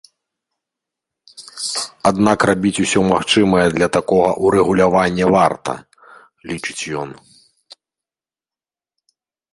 Аднак рабіць усё магчымае для такога ўрэгулявання варта, лічыць ён.